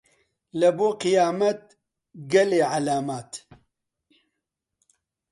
لەبۆ قیامەت گەلێ عەلامات